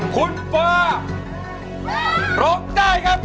คุณฟ้าร้องได้ครับ